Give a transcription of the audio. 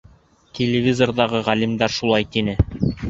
Телевизорҙағы ғалимдар шулай тине.